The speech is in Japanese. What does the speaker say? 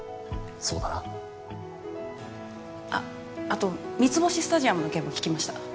あと『三ツ星スタジアム』の件も聞きました。